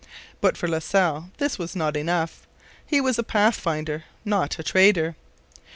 But for La Salle this was not enough. He was a pathfinder, not a trader.